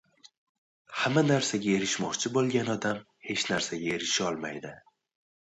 • Hamma narsaga erishmoqchi bo‘lgan odam hech narsaga erisholmaydi.